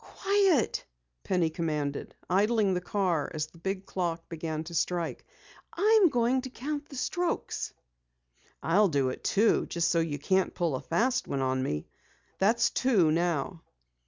"Quiet!" Penny commanded, idling the car as the big clock began to strike. "I'm going to count the strokes." "I'll do it too, just so you can't pull a fast one on me. That's two now."